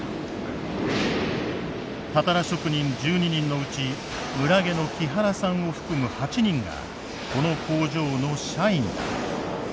たたら職人１２人のうち村下の木原さんを含む８人がこの工場の社員だ。